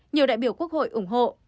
nhiều đại biểu quốc hội ủng hộ